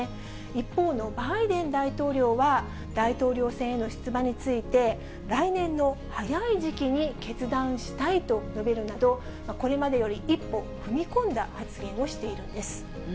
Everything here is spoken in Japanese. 一方のバイデン大統領は、大統領選への出馬について、来年の早い時期に決断したいと述べるなど、これまでより一歩踏み込んだ発言をしているんです。